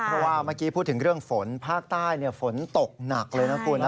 เพราะว่าเมื่อกี้พูดถึงเรื่องฝนภาคใต้ฝนตกหนักเลยนะคุณนะ